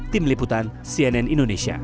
tim liputan cnn indonesia